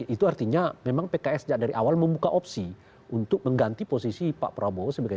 itu artinya memang pks dari awal membuka opsi untuk mengganti posisi pak prabowo sebagai